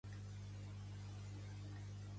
Pertany al moviment independentista la Sandra?